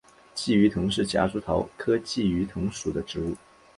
鲫鱼藤是夹竹桃科鲫鱼藤属的植物。